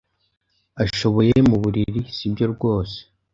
ashoboye mu buriri. Sibyo rwose!